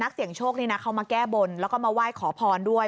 เสียงโชคนี่นะเขามาแก้บนแล้วก็มาไหว้ขอพรด้วย